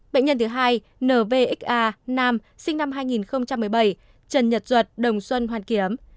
bệnh nhân thứ hai nvxa nam sinh năm hai nghìn một mươi bảy trần nhật duật đồng xuân hoàn kiếm